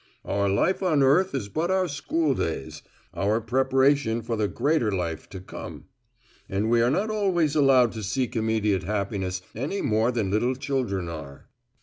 Our life on earth is but our school days our preparation for the greater life to come. And we are not always allowed to seek immediate happiness any more than little children are."